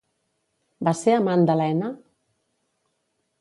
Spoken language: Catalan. Va ser amant d'Helena?